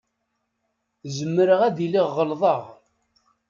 Zemreɣ ad iliɣ ɣelḍeɣ.